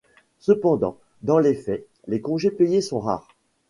Cependant, dans les faits, les congés payés sont rares.